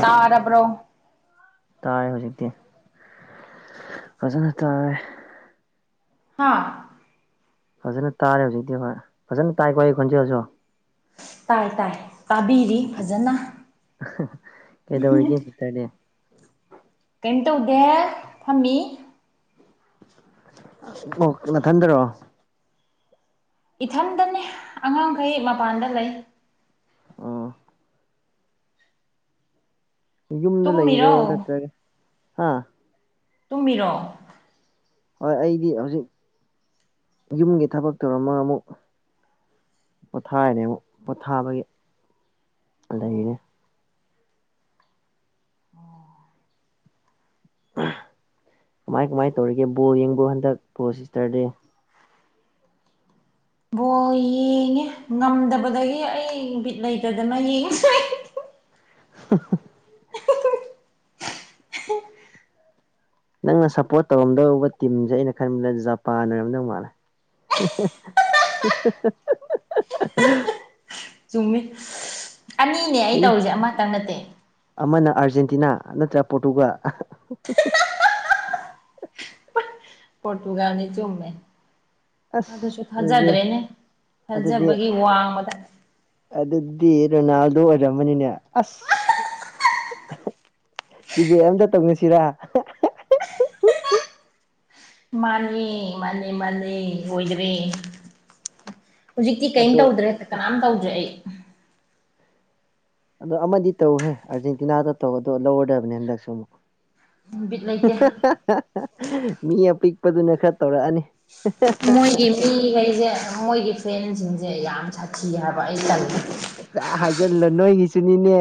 ꯇꯥ ꯑꯔꯄ꯭ꯔꯣ ꯇꯥꯏꯦ ꯍꯧꯖꯤꯛꯇꯤ ꯐꯖꯅ ꯇꯥꯔꯦ ꯍꯥ ꯐꯖꯅ ꯇꯥꯔꯦ ꯍꯧꯖꯤꯛꯇꯤ ꯍꯣꯏ ꯐꯖꯅ ꯇꯥꯏꯀꯣ ꯑꯩ ꯈꯣꯟꯖꯦꯜꯁꯨ ꯇꯥꯏ ꯇꯥꯏ ꯇꯥꯕꯤꯔꯤ ꯐꯖꯅ ꯀꯩꯗ ꯍꯔꯒꯦ ꯁꯤ ꯇꯗꯤꯦ ꯀꯩꯅꯝ ꯇꯧꯗꯦ ꯐꯝꯃꯤ ꯃꯊꯟꯗꯔꯣ ꯏꯊꯝꯗꯅꯦ ꯑꯉꯥꯡꯈꯩ ꯃꯄꯥꯟꯗ ꯂꯩ ꯑꯣ ꯌꯨꯝꯗ ꯂꯩꯔꯣ ꯇꯨꯝꯃꯤꯔꯣ ꯅꯠꯇ꯭ꯔꯒ ꯍꯥꯥ ꯇꯨꯝꯃꯤꯔꯣ ꯍꯣꯏ ꯑꯩꯗꯤ ꯍꯧꯖꯤꯛ ꯌꯨꯝꯒꯤ ꯊꯕꯛ ꯇꯧꯔꯝꯃꯒ ꯑꯃꯨꯛ ꯄꯣꯊꯥꯏꯅꯦ ꯑꯃꯨꯛ ꯄꯣꯊꯥꯕꯒꯤ ꯂꯩꯅꯦ ꯀꯃꯥꯏ ꯀꯃꯥꯏ ꯇꯧꯔꯤꯒꯦ ꯕꯣ ꯌꯦꯡꯕ꯭ꯔꯣ ꯍꯟꯗꯛ ꯕꯣ ꯁꯤꯁꯇꯔꯗꯤ ꯕꯣ ꯌꯦꯡꯉꯦ ꯉꯝꯗꯕꯗꯒꯤ ꯑꯩ ꯅꯨ ꯃꯤꯠ ꯂꯩꯇꯗꯅ ꯌꯦꯡꯉ [inaudible] [unintelligible] [inaudible] [unintelligible] ꯅꯪꯅ ꯁꯞꯄꯣꯔꯠ ꯇꯧꯔꯝꯗꯧꯧꯕ ꯇꯤꯝꯁꯦ ꯑꯩꯅ ꯈꯟꯕꯗ ꯖꯄꯥꯟ ꯑꯣꯏꯔꯝꯗꯧ ꯃꯥꯜꯂꯦ [unintelligible] [inaudible] ꯆꯨꯝꯃꯤ ꯑꯅꯤꯅꯦ ꯑꯩ ꯇꯧꯔꯤꯁꯦ ꯑꯃꯇꯪ ꯅꯠꯇꯦ ꯑꯃꯅ ꯑꯥꯔꯖꯦꯟꯇꯤꯅꯥ ꯅꯠꯇ꯭ꯔꯥ ꯄꯣꯔꯇꯨꯒꯜ ꯄꯣꯣꯔꯇꯨꯒꯂꯤꯅꯤ ꯆꯨꯝꯃꯦ ꯑꯁ ꯑꯗꯨꯁꯨ ꯑꯗꯨꯗꯤ ꯊꯥꯖꯗ꯭ꯔꯦꯅꯦ ꯑꯗꯨꯗꯤ ꯊꯥꯖꯕꯒꯤ ꯋꯥꯡꯃꯗ ꯑꯗꯨꯗꯤ ꯔꯣꯅꯥꯜꯗꯣ ꯑꯣꯏꯔꯝꯃꯅꯤꯅꯦ ꯑꯁ ꯇꯤꯚꯤ ꯑꯝꯇ ꯇꯧꯅꯁꯤꯔꯥ ꯃꯥꯅꯦ ꯃꯥꯅꯦ ꯃꯥꯅꯦ ꯑꯣꯏꯈ꯭ꯔꯦ ꯍꯧꯖꯤꯛꯇꯤ ꯀꯩꯝ ꯑꯗꯣ ꯇꯧꯗ꯭ꯔꯦ ꯍꯦ ꯀꯅꯥꯝꯇ ꯇꯧꯗ꯭ꯔꯦ ꯑꯩ ꯑꯗꯣ ꯑꯃꯗꯤ ꯇꯧꯍꯦ ꯑꯥꫪꯖꯦꯟꯇꯤꯅꯥꯗ ꯇꯧꯒꯗ ꯂꯧꯔꯗꯕꯅꯦ ꯍꯟꯗꯛꯁꯨ ꯑꯃꯨꯛ ꯕꯤꯠ ꯂꯩꯇꯦ ꯃꯤ ꯑꯄꯤꯛꯄꯗꯨꯅ ꯈꯔ ꯇꯧꯔꯛꯑꯅꯤ ꯃꯣꯏꯒꯤ ꯃꯤꯈꯩꯁꯦ ꯃꯣꯏꯒꯤ ꯐ꯭ꯔꯦꯟꯁꯤꯡꯁꯦ ꯌꯥꯝ ꯁꯥꯊꯤ ꯍꯥꯏꯕ ꯑꯩ ꯇꯜꯂꯤ ꯍꯥꯏꯖꯤꯜꯂꯣ ꯅꯣꯏꯒꯤꯁꯨꯅꯤꯅꯦ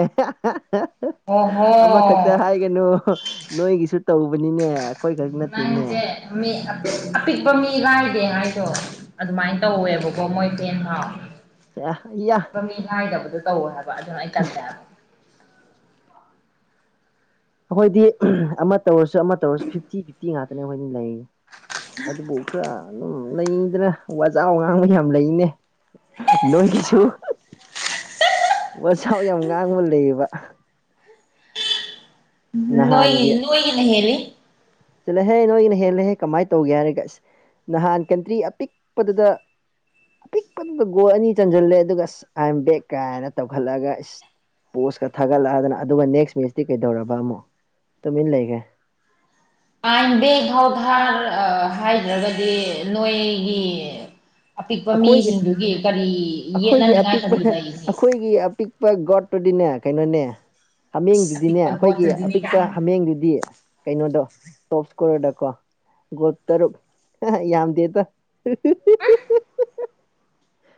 ꯑꯣꯍꯣ ꯑꯃꯈꯛꯇ ꯍꯥꯏꯒꯅꯨ ꯅꯣꯏꯒꯤꯁꯨ ꯇꯧꯕꯅꯤꯅꯦ ꯑꯩꯈꯣꯏ ꯈꯛ ꯅꯠꯇꯦꯅꯦ ꯌꯥ ꯅꯪꯁꯦ ꯃꯤ ꯑꯄꯤꯛꯄ ꯑꯄꯤꯛꯄꯃꯤ ꯂꯥꯏꯗꯦ ꯍꯥꯏ ꯗꫭ ꯑꯗꯨꯃꯥꯏꯅ ꯇꯧꯋꯦꯕꯀꯣ ꯃꯣꯏ ꯐꯦꯟ ꯍꯥꯎ ꯑꯩꯈꯣꯏꯗꯤ ꯑꯄꯤꯛꯄ ꯃꯤ ꯍꯥꯏꯥꯏꯗꯕꯗꯣ ꯇꯧꯋꯦ ꯍꯥꯏꯕ ꯑꯗꯨꯅ ꯑꯩ ꯇꯟꯗꯦꯕ ꯑꯩꯈꯣꯏꯗꯤ ꯑꯃ ꯇꯧꯔꯁꯨ ꯑꯃ ꯇꯧꯔꯁꯨ ꯐꯤꯐꯇꯤ ꯐꯤꯐꯇꯤ ꯉꯥꯛꯇꯅꯦ ꯑꯩꯈꯣꯏꯅ ꯂꯩꯔꯤ ꯑꯗꯨ ꯈꯔ ꯅꯨꯝ ꯂꯩꯗꯅ ꯋꯥꯖꯥꯎ ꯉꯥꯡꯕ ꯌꯥꯝ ꯂꯩꯅꯦ ꯅꯣꯏꯒꯤꯁꯨ ꯋꯥꯖꯥꯎ ꯌꯥꯝ ꯉꯥꯡꯕ ꯂꯩꯌꯦꯕ ꯅꫭꯏ ꯅꫭꯏꯒꯤꯅ ꯍꯦꯜꯂꯤ ꯆꯜꯂꫭꯍꯦ ꯅꯣꯏꯒꯤꯅ ꯍꯦꯜꯂꯦꯍꯦ ꯀꯃꯥꯏꯅ ꯇꯧꯒꯦ ꯍꯥꯏꯔꯒꯁ ꯅꯍꯥꯟ ꯀꯟꯇ꯭ꯔꯤ ꯑꯄꯤꯛꯄꯗꯨꯗ ꯑꯄꯤꯛꯄꯗꯨꯗ ꯒꯣꯜ ꯑꯅꯤ ꯆꯟꯁꯤꯜꯂꯦ ꯑꯗꯨꯒ ꯑꯁ ꯑꯥꯏ ꯑꯦꯝ ꯕꯦꯛ ꯀꯥꯏꯅ ꯇꯧꯈꯠꯂꯛꯑꯒ ꯏꯁ ꯄꯣꯁꯀ ꯊꯥꯒꯠꯂꯛꯑꯗꯅ ꯑꯗꯨꯒ ꯅꯦꯛꯁ ꯃꯦꯠꯆꯇꯤ ꯀꯩꯗꯧꯔꯕ ꯑꯃꯨꯛ ꯇꯃꯤꯟ ꯂꯩꯒ꯭ꯔꯦ ꯑꯥꯔꯟꯗꯦ ꯊꯥꯎ ꯊꯥ ꯑ ꯍꯥꯏꯗ꯭ꯔꯒꯗꯤ ꯅꯣꯏꯒꯤ ꯑꯄꯤꯛꯄ ꯑꯩꯈꯣꯏꯒꯤ ꯃꯤꯁꯤꯡꯗꯨꯒꯤ ꯀꯔꯤ ꯑꯩꯈꯣꯏꯒꯤ ꯌꯦꯠꯅꯅꯤꯉꯥꯏ ꯀꯔꯤ ꯑꯄꯤꯛꯄ ꯂꯩꯁꯦ ꯇꫪꯗꯤꯅꯦ ꯀꯩꯅꯣꯅꯦ ꯏꯁ ꯍꯥꯃꯦꯡꯗꯨꯗꯤꯅꯦ ꯑꯄꯤꯛꯄ ꯑꯩꯈꯣꯏꯒꯤ ꯒꯣꯠꯇꯨꯗꯤꯅꯦ ꯑꯄꯤꯛꯄ ꯀꯥꯏꯅ ꯍꯥꯃꯦꯡꯗꯨꯗꯤ ꯀꯩꯅꯣꯗꯣ ꯇꯣꯞꯏꯁ꯭ꯀꫭꯔꫪ ꯗꯀꯣ ꯒꫭꯜ ꯇꯔꯨꯛ ꯌꯥꯝ ꯗꯦꯗ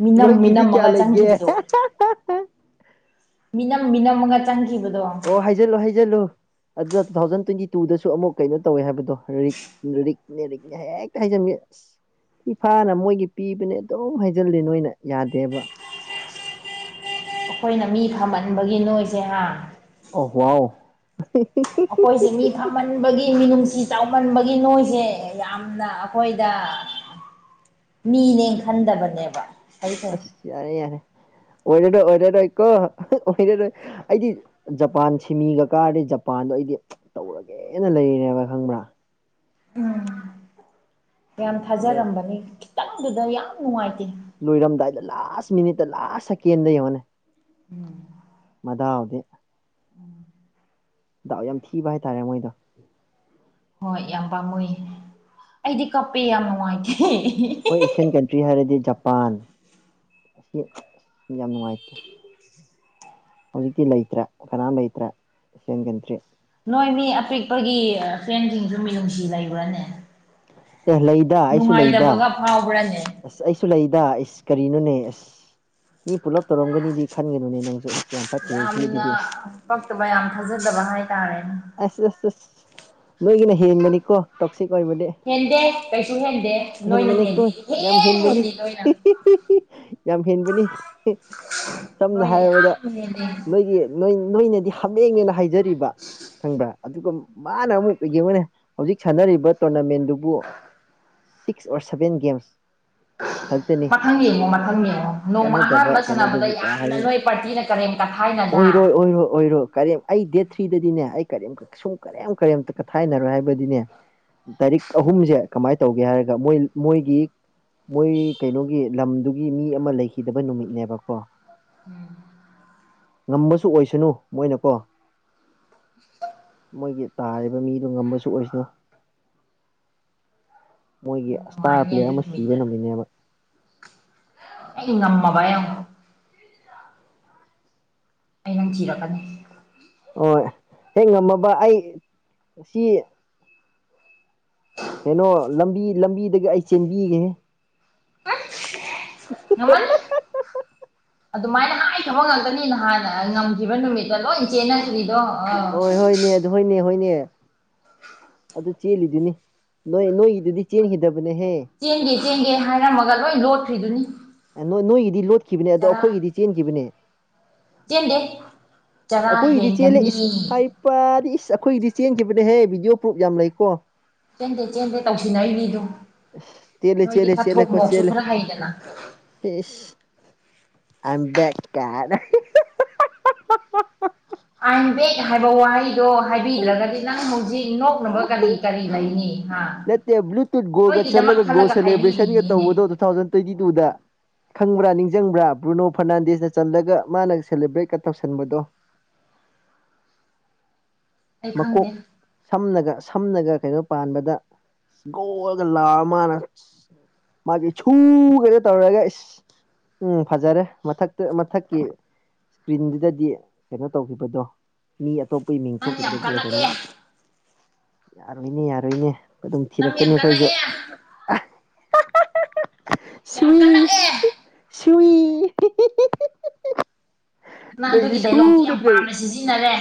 ꯃꯤꯅꯝ ꯀꯌꯥ ꯃꯤꯅꯝꯃꯒ ꯂꯩꯒꯦ ꯆꯪꯈꯤꯕꯗꯨ ꯃꯤꯅꯝ ꯃꯤꯅꯝꯃꯒ ꯆꯪꯈꯤꯕꯗꯣ ꯑꯣ ꯍꯥꯏꯖꯜꯂꯨ ꯍꯥꯏꯖꯜꯂꯨ ꯑꯗꯨꯅ ꯇꯨ ꯊꯥꯎꯖꯟ ꯇ꯭ꯋꯦꯟꯇꯤ ꯇꯨꯗꯁꯨ ꯑꯃꯨꯛ ꯀꯩꯅꯣ ꯇꯧꯋꯦ ꯍꯥꯏꯕꯗꯣ ꯔꯤꯛꯅꯦ ꯔꯤꯛꯅꯦ ꯔꯤꯛꯅꯦ ꯍ ꯍꯦꯛꯇ ꯍꯥꯏꯖꯟꯕꯤ ꯑꯁ ꯐꯤꯐꯥꯅ ꯃꯣꯏꯒꯤ ꯄꯤꯕꯅꯦ ꯑꯗꯨꯝ ꯍꯩꯖꯤꯜꯂꯤ ꯅꯣꯏꯅ ꯌꯥꯗꯦꯕ [unintelligible] ꯑꯩꯈꯣꯏꯅ ꯃꯤ ꯐꯝꯍꯟꯕꯒꯤ ꯅꯣꯏꯁꯦ ꯍꯥ ꯑꯣ ꯋꯥꯎ ꯑꯩꯈꯣꯏꯁꯦ ꯃꯤ ꯈꯝꯍꯟꯕꯒꯤ ꯃꯤꯅꯨꯡꯁꯤ ꯆꯥꯎꯃꯟꯕꯒꯤ ꯅꯣꯏꯁꯦ ꯌꯥꯝꯅ ꯑꯩꯈꯣꯏꯗ ꯃꯤꯅꯦ ꯈꯟꯗꯕꯅꯦꯕ ꯑꯩꯁꯦ ꯑꯁ ꯌꯥꯔꯦ ꯌꯥꯔꯦ ꯑꯣꯏ ꯑꯣꯏꯔꯔꯣꯏ ꯀꯣ ꯑꯣꯏꯔꯔꯣꯏ ꯑꯩꯗꯤ ꯖꯄꯥꯟ ꯁꯤꯃꯤꯒ ꯀꯥꯔꯗꯤ ꯖꯄꯥꯟꯗꯣ ꯑꯩꯗꯤ ꯇꯧꯔꯒꯦꯅ ꯂꯩꯔꯦꯕ ꯈꯪꯕ꯭ꯔ ꯎꯝ ꯌꯥꯝ ꯑꯗꯨꯒ ꯊꯥꯖꯔꯝꯕꯅꯤ ꯈꯤꯇꯪꯗꯨꯗ ꯌꯥꯝ ꯅꯨꯡꯉꯥꯏꯇꯦ ꯂꯣꯏꯔꯝꯗꯥꯏꯗ ꯂꯥꯁ ꯃꯤꯅꯤꯠꯇ ꯂꯥꯁ ꯁꯦꯀꯦꯟꯗ ꯌꯦꯡꯉꯅꯤ ꯎꯝ ꯃꯗꯤꯎꯗꯦ ꯗꯥꯎ ꯌꯥꯝ ꯊꯤꯕ ꯍꯥꯏꯇꯥꯔꯦ ꯃꯣꯏꯗꯣ ꯍꯣꯏ ꯌꯥꯝ ꯄꯥꯝꯃꯨ ꯑꯩꯗꯤ ꯀꯞꯄꯦ ꯌꯥꯝ ꯅꯨꯡꯉꯥꯏꯇꯦ ꯈꫭꯏ ꯑꯦꯁꯤꯌꯥꯟ ꯀꯟꯇ꯭ꯔꯤ ꯍꯥꯏꯔꯗꯤ ꯖꯄꯥꯟ ꯄꯥꯟ ꯑꯁꯤ ꯌꯥꯝ ꯅꯨꯡꯉꯥꯏꯇꯦ ꯍꯧꯖꯤꯛꯇꯤ ꯂꯩꯇ꯭ꯔꯦ ꯀꯅꯥꯝ ꯂꯩꯇ꯭ꯔꯦ ꯑꯦꯁꯤꯌꯥꯟ ꯀꯟꯇ꯭ꯔꯤ ꯍꯣꯏ ꯃꯤ ꯑꯄꯤꯛꯄꯒꯤ ꯐ꯭ꯔꯦꯟꯁꯤꯡꯁꯨ ꯃꯤ ꯅꯨꯡꯁꯤ ꯂꯩꯕ꯭ꯔꯅꯦ ꯑꯦ ꯂꯩꯗ ꯑꯩꯁꯨ ꯂꯩꯗ ꯐꯥꯎꯕ꯭ꯔꯥꯅꯦ ꯑꯁ ꯑꯩꯁꯨ ꯂꯩꯗ ꯑꯩꯁ ꯀꯔꯤꯅꯣꯅꯦ ꯑꯁ ꯃꯤ ꯄꯨꯂꯞ ꯇꯧꯔꯝꯒꯅꯤꯗꯤ ꯈꯟꯒꯅꯨꯅꯦ ꯅꯪꯁꯨ ꯑꯁ ꯌꯥꯝ ꯐꯠꯇꯦ ꯁꯤ ꯌꯥꯝꯅ ꯑꯗꯨꯗꯤ ꯄꯛꯇꯕ ꯌꯥꯝ ꯊꯥꯖꯗꯕ ꯍꯥꯏꯇꯥꯔꯦꯅꯦ ꯑꯁ ꯑꯁ ꯑꯁ ꯅꯣꯏꯒꯤꯅ ꯍꯦꯟꯕꯅꯤꯀꯣ ꯇꯣꯛꯁꯤꯛ ꯑꯣꯏꯕꯗꯤ ꯍꯦꯟꯗꯦ ꯀꯩꯁꯨ ꯍꯦꯟꯗꯦ ꯅꯣꯏꯅ ꯍꯦꯟꯕꯅꯤꯀꯣ ꯍꯦꯟꯜꯂꯤ ꯌꯥꯝ ꯍꯦꯟꯕꯅꯤ ꯌꯥꯝ ꯍꯦꯟꯕꯅꯤ ꯁꯝꯅ ꯅꯣꯏꯅ ꯌꯥꯝ ꯍꯥꯏꯔꯕꯗ ꯍꯦꯜꯂꯤ ꯅꯣꯏꯒꯤ ꯅꯣꯏꯅꯗꯤ ꯍꯥꯃꯦꯡꯉꯦꯅ ꯍꯥꯏꯖꯔꯤꯕ ꯈꯪꯕ꯭ꯔꯥ ꯑꯗꯨꯒ ꯃꯥꯅ ꯑꯃꯨꯛꯩ ꯌꯦꯡꯉꯅꯦ ꯍꯧꯖꯤꯛ ꯁꯥꯟꯅꯔꯤꯕ ꯇꯣꯔꯅꯥꯃꯦꯟꯗꯨꯕꯨ ꯁꯤꯛꯁ ꯑꯣ ꯁꯚꯦꯟ ꯒꯦꯝꯁ ꯈꯛꯇꯅꯤ ꯃꯊꯪ ꯌꯦꯡꯉꯣ ꯃꯊꯪ ꯌꯦꯡꯉꯣ ꯅꯣꯡꯃ ꯀꯥꯟꯅꯗꯕ ꯑꯍꯥꯟꯕ ꯁꯥꯟꯅꯕꯗ ꯀꯩꯅꯣꯗꯨꯕꯨ ꯀꯌꯥ ꯌꯥꯝꯅ ꯍꯥꯏꯗꯅ ꯅꯣꯏ ꯄꯥꯔꯇꯤꯅ ꯀꯔꯦꯝ ꯀꯊꯥꯏ ꯑꯣꯏꯔꯣꯏ ꯑꯣꯏꯔꯣꯏ ꯑꯣꯏꯔꯣꯏ ꯀꯔꯤ ꯑꯩ ꯗꯦꯠ ꯊ꯭ꯔꯤꯗꯗꯤꯅꯦ ꯑꯩ ꯀꯔꯤꯝ ꯁꯨꯝ ꯀꯔꯤꯝ ꯀꯔꯤꯝꯇ ꯀꯊꯥꯏꯅꯔꯣꯏ ꯍꯥꯏꯕꯗꯤꯅꯦ ꯇꯥꯔꯤꯛ ꯑꯍꯨꯝꯁꯦ ꯀꯃꯥꯏꯅ ꯇꯧꯒꯦ ꯍꯥꯏꯔꯒ ꯃꯣꯏ ꯃꯣꯏꯒꯤ ꯃꯣꯏ ꯀꯩꯅꯣꯒꯤ ꯂꯝꯗꯨꯒꯤ ꯃꯤ ꯑꯃ ꯂꯩꯈꯤꯗꯕ ꯅꯨꯃꯤꯠꯅꯦꯕꯀꯣ ꯎꯝ ꯉꯝꯕꯁꯨ ꯑꯣꯏꯁꯅꯨ ꯃꯣꯏꯅꯀꯣ ꯃꯣꯏꯒꯤ ꯇꯥꯔꯤꯕ ꯃꯤꯗꯣ ꯉꯝꯕꯁꯨ ꯑꯣꯏꯁꯤꯅꯨ [unintelligible] ꯃꯣꯏꯒꯤ ꯅꯪ ꯏꯁꯇꯥꯔ ꯅꯨꯡꯉꯥꯏꯅꯤ ꯄ꯭ꯂꯦꯌꯔ ꯑꯗꯨ ꯑꯃ ꯁꯤꯕ ꯅꯨꯃꯤꯠꯇ ꯅꯝꯃꯤꯅꯦꯕ ꯏ ꯉꯝꯃꯕꯥꯏ ꯑ ꯑꯩ ꯅꯪ ꯊꯤꯔꯛꯀꯅꯤ ꯍꯣꯏ ꯍꯦꯛ ꯉꯝꯃꯕ ꯑꯩ ꯁꯤ ꯀꯩꯅꯣ ꯂꯝꯕꯤ ꯂꯝꯕꯤꯗꯒꯤ ꯑꯩ ꯆꯦꯟꯕꯤꯒꯦꯍꯦ ꯉꯃꯜ ꯑꯗꯨꯃꯥꯏꯅ ꯍꯥꯏꯕ ꯉꯥꯛꯇꯅꯤ ꯅꯍꯥꯟꯅ ꯉꯝꯈꯤꯕ ꯅꯨꯃꯤꯠꯇ ꯂꯣꯏ ꯆꯦꯟꯅꯈ꯭ꯔꯤ ꯍꯣꯏ ꯍꯣꯏꯅꯦ ꯑꯗꯨ ꯍꯣꯏꯅꯦ ꯍꯣꯏꯅꯦ ꯑꯗꯨ ꯆꯦꯜꯂꯤꯗꯨꯅꯤ ꯅꯣꯏ ꯅꯣꯏꯒꯤꯗꯨꯗꯤ ꯆꯦꯟꯈꯤꯗꯕꯅꯦꯍꯦ ꯆꯦꯡꯒꯦ ꯍꯥꯏꯔꯝꯃꯒ ꯂꯣꯏ ꯂꯣꯠꯈ꯭ꯔꯤꯗꯨꯅꯤ ꯅ ꯅꯣꯏꯒꯤꯗꯤ ꯂꯣꯠꯈꯤꯕꯅꯦ ꯑꯗꯣ ꯑꯩꯈꯣꯏꯒꯤꯗꯤ ꯆꯦꯟꯈꯤꯕꯅꯦ ꯦꯟꯗꯦ ꯑꯩꯈꯣꯏꯒꯤꯗꯤ ꯆꯦꯜꯂꯦ ꯏꯁ ꯍꯥꯏꯗꯤ ꯏꯁ ꯑꯩꯈꯣꯏꯒꯤꯗꯤ ꯆꯦꯟꯈꯤꯕ ꯍꯦ ꯚꯗꯤꯑꯣ ꯄ꯭ꯔꯨꯨꯞ ꯌꯥꯝ ꯂꯩꯀꯣ ꯆꯦꯟꯗꯦ ꯆꯦꯟꯗꯦ ꯇꯧꯁꯤꯅ ꯑꯩ ꯃꯤꯗꯣ ꯆꯦꯂ ꯆꯦꯂ ꯆꯦꯂ ꯀ ꯆꯦꯂ ꯈꯔ ꯍꯩꯗꯅ ꯑꯝꯕ ꯀꯔ ꯑꯥꯏꯟ ꯕꯦꯦꯛ ꯍꯥꯏꯕ ꯋꯥꯍꯩꯗꯣ ꯍꯥꯏꯕꯤꯗ꯭ꯔꯒꯗꯤ ꯅꯪ ꯃꯨꯖꯤꯛ ꯅꯣꯛꯅꯕ ꯀꯔꯤ ꯀꯔꯤ ꯑꯅꯤ ꯅꯠꯇꯦ ꯕ꯭ꯂꯨꯇꯨꯠ ꯒꯣꯜꯒ ꯆꯠꯂꯒ ꯒꯣꯜ ꯈꯜꯂꯒ ꯁꯦꯂꯦꯕ꯭ꯔꯦꯁꯟꯒ ꯍꯥꯏꯕꯤꯔꯤꯅꯤꯅꯦ ꯇꯧꯕꯗꯣ ꯇꯨ ꯊꯥꯎꯖꯟ ꯇ꯭ꯋꯦꯟꯇꯤ ꯇꯨꯗ ꯈꯪꯕ꯭ꯔꯥ ꯅꯤꯡꯁꯤꯡꯕ꯭ꯔꯥ ꯕ꯭ꯔꯨꯅꯣ ꯐꯔꯅꯥꯟꯗꯤꯁꯅ ꯆꯜꯂꯒ ꯃꯥꯅ ꯁꯦꯂꯦꯕ꯭ꯔꯦꯠꯀ ꯇꯧꯁꯟꯕꯗꯣ [inaudible] ꯑꯩ ꯃꯀꯣꯛ ꯈꯪꯗꯦ ꯁꯝꯂꯒ ꯁꯝꯅꯒ ꯀꯩꯅꯣ ꯄꯥꯟꯕꯗ ꯣꯜꯂꯒ ꯂꯥꯛꯑ ꯃꯥꯅ ꯃꯥꯒꯤ ꯁꯨꯒꯩꯅꯣ ꯇꯧꯔꯒ ꯏꯁ ꯎꯝ ꯐꯖꯔꯦ ꯃꯊꯛꯇ ꯃꯊꯛꯀꯤ ꯏꯁꯀ꯭ꯔꯤꯟꯗꯨꯗꯗꯤ ꯀꯩꯅꯣ ꯇꯧꯈꯤꯕꯗꯣ ꯃꯤ ꯑꯇꯣꯞꯄ ꯏ ꯅꯪ ꯌꯥꯝ ꯊꯣꯛꯣꯛꯈꯤꯕꯗꯕꯣ ꯑꯣꯖꯅ ꯀꯜꯂꯛꯑꯦ ꯌꯥꯔꯣꯏꯅꯦ ꯌꯥꯔꯣꯏꯅꯦ ꯑꯗꯨꯝ ꯅꯪ ꯌꯥꯝ ꯊꯤꯔꯛꯀꯅꯤ ꯑꯩꯈꯣꯏꯁꯨ ꯀꯜꯂꯛꯑꯦ ꯌꯥꯝ ꯁꯨꯏ ꯀꯟꯅꯒꯦ ꯁꯨꯏ ꯅꯪ ꯅꯣꯏꯒꯤꯗꯤ ꯑꯗꯨꯒꯤ ꯁꯨ ꯗꯥꯏꯂꯣꯛꯇꯣ ꯌꯥꯝ ꯄꯥꯝꯅ ꯁꯤꯖꯤꯟꯅꯔꯦ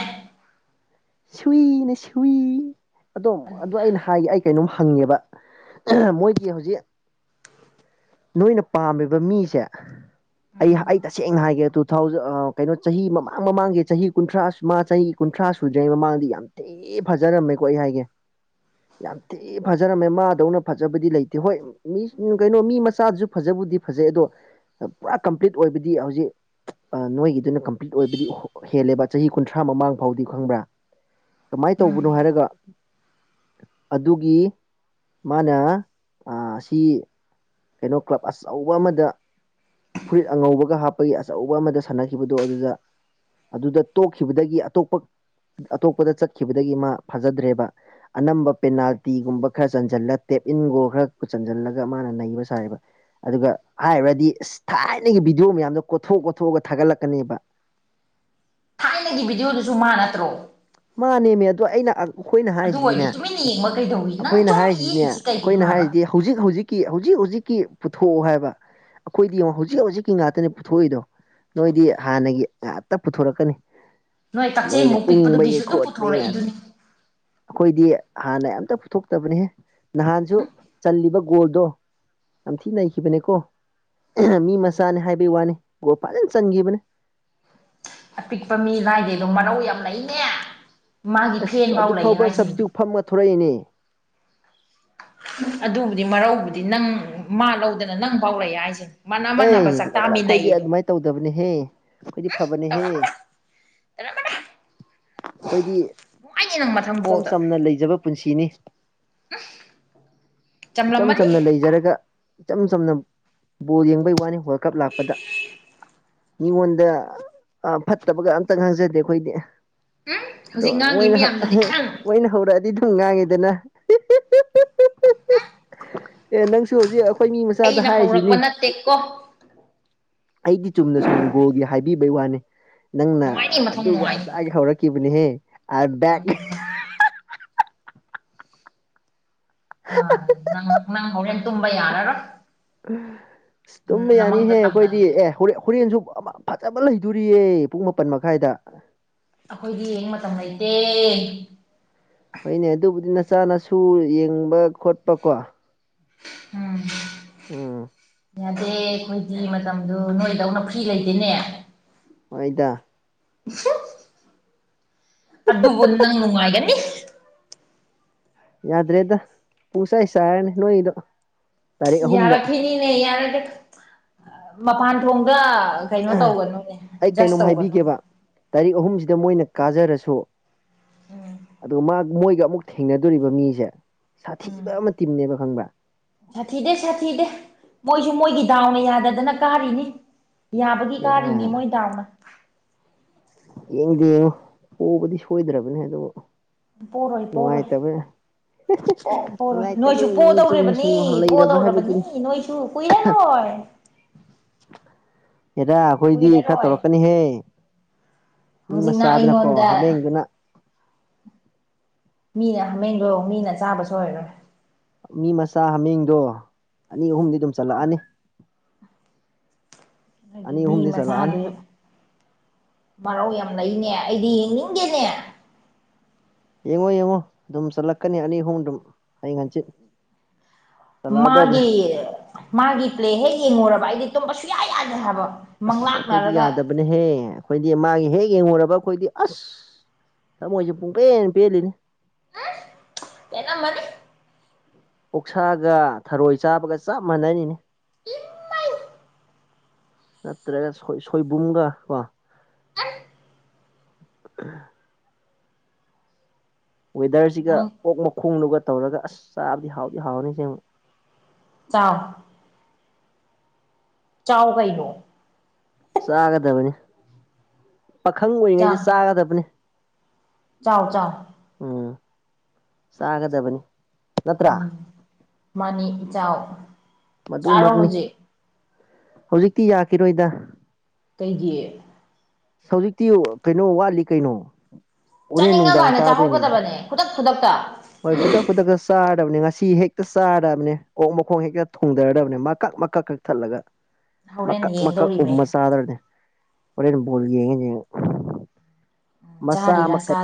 ꯁꯨꯏꯅꯦ ꯁꯨꯏ ꯑꯝ ꯑꯗꯨ ꯑꯗꯨꯅ ꯑꯩꯅ ꯍꯥꯏꯒ ꯑꯩ ꯀꯩꯅꯣꯝ ꯐꯪꯉꯦꯕ ꯃꯣꯏꯗꯤ ꯍꯧꯖꯤꯛ ꯅꯣꯏꯅ ꯄꯥꯝꯃꯤꯕ ꯃꯤꯁꯦ ꯑꯩ ꯑꯩ ꯎꯝ ꯇꯁꯦꯡꯅ ꯍꯥꯏꯒꯦ ꯇꯨ ꯊꯥꯎꯖꯟ ꯀꯩꯅꯣ ꯆꯍꯤ ꯃꯃꯥꯡ ꯃꯃꯥꯡꯒꯤ ꯆꯍꯤ ꯀꯨꯟꯊ꯭ꯔꯥ ꯃꯥ ꯆꯍꯤ ꯀꯨꯟꯊ꯭ꯔꯥ ꯁꯨꯗ꯭ꯔꯤꯉꯩ ꯃꯃꯥꯡꯗꯤ ꯌꯥꯝ ꯊꯤ ꯐꯖꯔꯝꯃꯦꯀꯣ ꯑꯩ ꯍꯥꯏꯒꯦ ꯌꯥꯝ ꯊꯤ ꯐꯖꯔꯝꯃꯦ ꯃꯥꯗꯧꯅ ꯐꯖꯕꯗꯤ ꯂꯩꯇꯦ ꯍꯣꯏ ꯃꯤ ꯀꯩꯅꯣ ꯃꯤ ꯃꯆꯥꯗꯨꯁꯨ ꯐꯖꯕ ꯕꯨꯗꯤ ꯐꯖꯩ ꯑꯗꯣ ꯄꯨꯔꯥ ꯀꯝꯄ꯭ꯂꯤꯠ ꯑꯣꯏꯕꯗꯤ ꯍꯧꯖꯤꯛ ꯅꯣꯏꯒꯤꯗꯨꯅ ꯀꯝꯄ꯭ꯂꯤꯠ ꯑꯣꯏꯕꯗꯤ ꯍꯦꯜꯂꯦꯕ ꯆꯍꯤ ꯀꯨꯟꯊ꯭ꯔꯥ ꯃꯃꯥꯡ ꯐꯥꯎꯗꯤ ꯈꯪꯕ꯭ꯔꯥ ꯀꯃꯥꯏꯅ ꯎꯝ ꯇꯧꯕꯅꯣ ꯍꯥꯏꯔꯒ ꯑꯗꯨꯒꯤ ꯃꯥꯅ ꯁꯤ ꯀꯩꯅꯣ ꯀ꯭ꯂꯕ ꯑꯆꯧꯕ ꯑꯃꯗ ꯐꯨꯔꯤꯠ ꯑꯉꯧꯕꯒ ꯍꯥꯞꯄꯒꯤ ꯑꯆꯧꯕ ꯑꯃꯗ ꯁꯥꯟꯅꯈꯤꯕꯗꯣ ꯑꯗꯨꯗ ꯑꯗꯨꯗ ꯇꯣꯛꯈꯤꯕꯗꯒꯤ ꯑꯇꯣꯞꯄ ꯑꯇꯣꯞꯄꯗ ꯆꯠꯈꯤꯕꯗꯒꯤ ꯃꯥ ꯐꯖꯗ꯭ꯔꯦꯕ ꯑꯅꯝꯕ ꯄꯦꯅꯥꯜꯇꯤꯒꯨꯝꯕ ꯈꯔ ꯆꯟꯁꯤꯜꯂ ꯇꯦꯞ ꯏꯟꯒꯣꯜ ꯈꯔ ꯆꯟꯁꯤꯜꯂꯒ ꯃꯥꯅ ꯅꯩꯕ ꯁꯥꯔꯤꯕ ꯑꯗꯨꯒ ꯍꯥꯏꯔꯨꯔꯗꯤ ꯑꯁ ꯊꯥꯏꯅꯒꯤ ꯚꯤꯗꯤꯑꯣ ꯃꯌꯥꯝꯗꯣ ꯀꯣꯊꯣꯛ ꯀꯣꯊꯣꯛꯑꯒ ꯊꯥꯒꯠꯂꯛꯀꯅꯦꯕ [unintelligible] ꯊꯥꯏꯅꯒꯤ ꯚꯤꯗꯤꯑꯣꯗꯨꯁꯨ ꯃꯥ ꯅꯠꯇ꯭ꯔꯣ ꯃꯥꯅꯦꯦꯝꯃꯦ ꯑꯗꯣ ꯑꯩꯅ ꯑꯩꯈꯣꯏꯅ ꯑꯗꯨ ꯍꯥꯏꯔꯤꯁꯤꯗꯤꯅꯦ ꯑꯣꯏꯔꯗꯤ ꯇꯨꯃꯤꯟꯅ ꯌꯦꯡꯕ ꯀꯩꯗꯧꯏ ꯅꯪ ꯑꯩꯈꯣꯏꯅ ꯁꯨꯝ ꯍꯥꯏꯔꯤꯁꯤꯗꯤꯅꯦ ꯌꯦꯛꯏꯁꯤ ꯀꯩꯒꯤꯅꯣ ꯑꯩꯈꯣꯏꯅ ꯍꯥꯏꯕ ꯍꯥꯏꯔꯤꯁꯤꯗꯤ ꯍꯧꯖꯤꯛ ꯍꯧꯖꯤꯛꯀꯤ ꯍꯧꯖꯤꯛ ꯍꯧꯖꯤꯛ ꯄꯨꯊꯣꯛꯎ ꯍꯥꯏꯕ ꯑꯩꯈꯣꯏꯗꯤ ꯌꯦꯡꯉ ꯍꯧꯖꯤꯛ ꯍꯧꯖꯤꯛꯀꯤ ꯉꯇꯅꯦ ꯄꯨꯊꯣꯛꯏꯗꯣ ꯅꯣꯏꯗꯤ ꯍꯥꯟꯅꯒꯤ ꯑꯇ ꯄꯨꯊꯣꯔꯛꯀꯅꯤ ꯅꯣꯏ ꯅꯣꯏꯅ ꯀꯛꯆꯦꯡꯃꯨꯛ ꯎꯪ ꯃ ꯄꯤꯛꯄꯗꯨꯒꯤꯁꯨ ꯑꯗꯨꯝ ꯌꯥ ꯄꯨꯊꯣꯔꯛꯏꯗꯨꯅꯤ ꯑꯩꯈꯣꯏ ꯍꯥꯟꯅ ꯑꯝꯇ ꯄꯨꯊꯣꯛꯇꯕꯅꯤꯍꯦ ꯅꯍꯥꯟꯁꯨ ꯆꯜꯂꯤꯕ ꯒꯣꯜꯗꯣ ꯌꯥꯝ ꯊꯤꯅꯈꯤꯕꯅꯦ ꯀꯣ ꯃꯤ ꯃꯆꯥꯅꯤ ꯍꯥꯏꯕꯒꯤ ꯋꯥꯅꯤ ꯒꯣ ꯐꯖꯅ ꯆꯟꯈꯤꯕꯅꯦ ꯑꯄꯤꯛꯄ ꯃꯤ ꯂꯅꯥꯏꯗꯩꯗꯣ ꯃꯔꯧ ꯌꯥꯝ ꯂꯩꯅꯦ ꯃꯥꯒꯤ ꯐꯦꯟ ꯑꯁ ꯐꯥꯎ ꯑꯗꯨ ꯂꯩꯌꯦ ꯐꯥꯎꯕ ꯍꯥꯏꯁꯤꯅꯦ ꯁꯞꯁꯇꯤꯇ꯭ꯌꯨꯠ ꯐꯝꯃ ꯊꯣꯔꯛꯏꯅꯦ ꯑꯗꯨꯕꯨꯗꯤ ꯃꯔꯧꯕꯨꯗꯤ ꯅꯪ ꯃꯥ ꯂꯧꯗꯅ ꯅꯪ ꯐꯥꯎꯔꯛꯑꯦ ꯍꯥꯏꯁꯦꯅꯦ ꯃꯅ ꯃꯟꯅꯕ ꯑꯦ ꯑꯩꯈꯣꯏꯗꯤ ꯆꯥꯛꯇꯥꯃꯤꯟꯅꯩꯗꯣ ꯑꯗꯨꯃꯥꯏꯅ ꯇꯧꯗꯕꯅꯦꯍꯦ ꯑꯩꯈꯣꯏꯗꯤ ꯐꯕꯅꯦꯍꯦ ꯊꯅ ꯃ ꯑꯩꯈꯣꯏꯗꯤ ꯃꯊꯪ ꯏꯆꯝ ꯕꯣꯜꯗ ꯆꯝꯅ ꯂꯩꯖꯕ ꯄꯨꯟꯁꯤꯅꯤ [unintelligible] ꯏꯆꯝ ꯆꯝꯂꯝꯃꯅꯤ ꯆꯝꯅ ꯂꯩꯖꯔꯒ ꯏꯆꯝ ꯆꯝꯅ ꯕꯣꯜ ꯌꯦꯡꯕꯩ ꯋꯥꯅꯤ ꯍꯛ ꯀꯞ ꯂꯥꯛꯄꯗ ꯃꯤꯉꯣꯟꯗ ꯐꯠꯇꯕꯒ ꯑꯝꯇꯪ ꯉꯥꯡꯖꯗꯦ ꯑꯩꯈꯣꯏꯗꯤ ꯎꯝ ꯑꯗꯣ ꯍꯧꯖꯤꯛ ꯉꯥꯡꯉꯤ ꯃꯣꯏꯅ ꯃꯌꯥꯝꯗꯨꯗꯤ ꯑꯩꯅ ꯃꯣꯏꯅ ꯍꯧꯔꯛꯑꯗꯤ ꯍꯥꯡꯗꯦꯅ ꯑꯦ ꯅꯪꯁꯨ ꯍꯧꯖꯤꯛ ꯑꯩꯈꯣꯏ ꯃꯤ ꯃꯆꯥꯗ ꯍꯧꯔꯛꯄ ꯍꯥꯏꯔꯤꯁꯤꯅꯤ ꯅꯠꯇꯦꯀꯣ ꯑꯩꯗꯤ ꯆꯨꯝꯅ ꯁꯨꯝ ꯒꯣꯜꯒꯤ ꯍꯥꯏ ꯄꯕꯩ ꯋꯥꯅꯦ ꯅꯪꯅ ꯅꯨꯡꯉꯥꯏꯅꯤ ꯃꯊꯪ ꯑꯗꯨꯒ ꯅꯨꯡꯉꯥꯏꯅꯤ ꯑꯗꯥꯏꯒꯤ ꯍꯧꯔꯛꯈꯤꯕꯅꯦꯍꯦ ꯑ ꯅꯨꯡꯉꯥꯏꯅꯤ ꯃꯊꯪ ꯑ ꯅ ꯅꯪ ꯍ ꯇꯕ ꯌꯥꯔꯔꯣ ꯇꯨꯝꯕ ꯌꯥꯅꯤꯍꯦ ꯑꯩꯈꯣꯏꯗꯤ ꯑꯦ ꯍꯦꯟ ꯍꯣꯔꯦꯟꯁꯨ ꯑꯃ ꯐꯖꯕ ꯂꯩꯗꯣꯔꯤꯌꯦ ꯄꯨꯡ ꯃꯥꯄꯟ ꯃꯈꯥꯏꯗ ꯑꯩꯈꯣꯏꯗꯤ ꯌꯦꯡ ꯃꯇꯝ ꯂꯩꯇꯦ ꯍꯣꯏꯅꯦ ꯑꯗꯨꯕꯨꯗꯤ ꯅꯆꯥꯅꯁꯨ ꯌꯦꯡꯕ ꯈꯣꯠꯄꯀꯣ ꯎꯝ ꯎꯝ ꯌꯥꯗꯦ ꯑꯩꯈꯣꯏꯗꯤ ꯃꯇꯝꯗꯨ ꯅꯣꯏꯗꯧꯅ ꯐ꯭ꯔꯤ ꯂꯩꯇꯦꯅꯦ ꯑꯣꯏꯣꯏꯗ [unintelligible] ꯑꯗꯨꯕꯨ ꯅꯪ ꯅꯨꯡꯉꯥꯏꯒꯅꯤ ꯌꯥꯗ꯭ꯔꯦꯗ ꯄꯨꯁ ꯍꯥꯏ ꯁꯥꯔꯅꯤ ꯅꯣꯏꯗꯣ ꯌꯥꯔꯛꯈꯤꯅꯤꯅꯦ ꯌꯥꯔꯦ ꯃꯄꯥꯟ ꯊꯣꯡꯗ ꯀꯩꯅꯣ ꯇꯧꯒꯅꯨꯅꯦ ꯑꯩ ꯖꯁ ꯀꯩꯅꯣꯝ ꯇꯧꯒꯅꯨꯅꯦ ꯍꯥꯏꯕꯤꯒꯦꯕ ꯇꯥꯔꯤꯛ ꯑꯍꯨꯝꯁꯤꯗ ꯃꯣꯏꯅ ꯀꯥꯖꯔꯁꯨ ꯎꯝ ꯑꯗꯨꯒ ꯃꯣꯏꯒ ꯑꯃꯨꯛ ꯊꯦꯡꯅꯗꯣꯔꯤꯕ ꯃꯤꯁꯦ ꯎꯝ ꯁꯥꯊꯤꯕ ꯑꯃ ꯇꯤꯝꯅꯦꯕ ꯈꯪꯕ꯭ꯔꯥ ꯁꯥꯊꯤꯗꯦ ꯁꯥꯊꯤꯗꯦ ꯃꯣꯏꯁꯨ ꯃꯣꯏꯒꯤ ꯗꯥꯎꯅ ꯌꯥꯗꯗꯅ ꯀꯥꯔꯤꯅꯤ ꯌꯥꯕꯒꯤ ꯍꯦꯔꯥ ꯀꯥꯔꯤꯅꯤ ꯃꯣꯏ ꯗꯥꯎꯅ ꯌꯦꯡꯗꯤ ꯌꯦꯡꯉꯣ ꯄꯨꯕꯗꯤ ꯁꯣꯏꯗ꯭ꯔꯕꯅꯦ ꯑꯗꯨꯕꯨ ꯄꯔꯣꯏ ꯄꯔꯣꯏ ꯅꯨꯡꯉꯥꯏꯇꯕ ꯄꯣꯛ ꯄꯣꯔꯣꯏ ꯅꯣꯏꯁꯨ ꯅꯨꯡꯉꯥꯏꯇꯕꯩ ꯄꯣ ꯅꯣꯡ ꯆꯨꯝ ꯁꯨꯝ ꯇꯧꯔꯤꯕꯅꯤ ꯄꯣ ꯂꯩꯔꯕ ꯇꯧꯔꯕꯅꯤ ꯅꯣꯏꯁꯨ ꯀꯨꯏꯔꯔꯣꯏ ꯑꯦꯗꯈꯣꯏꯗꯤ ꯏ ꯈꯔ ꯀꯨꯏꯔꯔꯣꯏ ꯇꯔꯛꯀꯥꯅꯤ ꯍꯦ ꯃꯤ ꯍꯧꯖꯤꯛꯅ ꯃꯆꯥꯗꯅꯀꯣ ꯑꯩꯉꯣꯟꯗ ꯍꯥꯕꯦꯡꯗꯨꯅ ꯃꯤꯅ ꯍꯥꯃꯦꯡꯗꯣ ꯃꯤꯅ ꯆꯥꯕꯁꯨ ꯑꯣꯏꯔꯣꯏ ꯃꯤ ꯃꯆꯥ ꯍꯥꯃꯦꯡꯗꯣ ꯑꯅꯤ ꯑꯍꯨꯝꯗꯤ ꯑꯗꯨꯝ ꯆꯠꯂꯛꯑꯅꯤ ꯑꯒꯤ ꯑꯅꯤ ꯃꯤ ꯑꯍꯨꯝꯗꯤ ꯆꯠꯂꯛꯑꯅꯤ ꯃꯆꯥꯗꯨ ꯃꯔꯧ ꯌꯥꯝ ꯏꯅꯦ ꯑꯩꯗꯤ ꯌꯦꯡꯅꯤꯡꯒꯦꯅꯦ ꯌꯦꯡꯉꯣ ꯌꯦꯡꯉꯣ ꯑꯗꯨꯝ ꯆꯠꯂꯛꯀꯅꯤ ꯑꯅꯤ ꯑꯍꯨꯝ ꯑꯗꯨꯝ ꯑꯩ ꯉꯟꯆꯤꯠ ꯃꯥꯒꯤ ꯃꯥꯒꯤ ꯄ꯭ꯂꯦ ꯍꯦꯛ ꯌꯦꯡꯉꯨꯔꯕ ꯑꯩꯗꯤ ꯇꯨꯝꯕ ꯁꯨꯡꯌꯥ ꯌꯥꯗꯦ ꯍꯥꯏꯕ ꯑꯁ ꯑꯩꯈꯣꯏꯗꯤ ꯃꯪꯂꯥꯛꯅꯔꯒ ꯌꯥꯗꯕꯅꯦꯍꯦ ꯑꯩꯈꯣꯏꯗꯤ ꯃꯥꯒꯤ ꯍꯦꯛ ꯌꯦꯡꯉꯨꯔꯕ ꯑꯩꯈꯣꯏꯗꯤ ꯑꯁ ꯊꯃꯣꯏꯁꯦ ꯄꯨꯡꯄꯦꯟ ꯄꯦꯜꯂꯤꯅꯤ ꯑ ꯌꯦꯟꯅ ꯃꯅꯤ ꯑꯣꯛꯁꯥꯒ ꯊꯔꯣꯏ ꯆꯥꯕꯒ ꯆꯞ ꯃꯥꯟꯅꯅꯤꯅꯦ ꯏ ꯅꯠꯇ꯭ꯔꯒꯣꯏ ꯁꯣꯏꯕꯨꯝꯒ ꯀꯣ ꯑ ꯑ ꯋꯦꯗꯔꯁꯤꯒ ꯅꯪ ꯑꯣꯛ ꯃꯈꯣꯡꯗꯨꯒ ꯇꯧꯔꯒ ꯑꯁ ꯆꯥꯕꯗꯤ ꯍꯥꯎꯗꯤ ꯍꯥꯎꯔꯅꯤꯁꯦ ꯑꯃꯛ ꯆꯥꯎ ꯆꯥꯎ ꯀꯩꯅꯣ ꯆꯥꯒꯗꯕꯅꯤ ꯄꯥꯈꯪ ꯆꯥꯎ ꯑꯣꯏꯔꯤꯉꯩꯗ ꯆꯥꯒꯗꯕꯅꯤ ꯆꯥꯎ ꯆꯥꯎ ꯎꯝ ꯆꯥꯒꯗꯕꯅꯤ ꯅꯠꯇ꯭ꯔꯥ ꯎꯝ ꯃꯥꯅꯤ ꯏꯆꯥꯎ ꯆꯥꯔꯣ ꯃꯗꯨꯃꯛꯅꯤ ꯍꯧꯖꯤꯛ ꯍꯧꯖꯤꯛꯇꯤ ꯌꯥꯈꯤꯔꯣꯏꯗ ꯀꯩꯒꯤ ꯍꯧꯖꯤꯛꯇꯤ ꯀꯩꯅꯣ ꯋꯥꯠꯂꯤ ꯀꯩꯅꯣ ꯎꯣꯔꯦꯟ ꯆꯥꯅꯤꯡꯉ ꯅꯨꯡꯗꯥꯡ ꯀꯥꯟꯗ ꯆꯥꯗꯣꯏꯅꯦ ꯆꯥꯍꯧꯒꯗꯕꯅꯦ ꯈꯨꯗꯛ ꯈꯨꯗꯛꯇ ꯍꯣꯏ ꯀꯗ ꯀꯨ ꯀ ꯁꯥ ꯉꯁꯤ ꯍꯦꯛꯇ ꯆꯥꯗꯕꯅꯤ ꯀꯣꯛ ꯃꯈꯣꯡ ꯍꯦꯛꯇ ꯊꯣꯡꯊꯔꯗꯕꯅꯦ ꯃꯀꯛ ꯃꯀꯛ ꯀꯛ ꯊꯠꯂꯒ ꯍꯣꯔꯦꯟ ꯃꯀꯛ ꯃꯀꯛ ꯌꯦꯡꯗꯧꯔꯤꯃꯦ ꯎꯃ ꯆꯥꯗ꯭ꯔꯅꯦ ꯑꯣꯔꯣ ꯆꯔ ꯍꯔ ꯁꯥꯠ